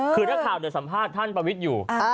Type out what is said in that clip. คือนักข่าวเดี๋ยวสัมภาษณ์ท่านประวิจอยู่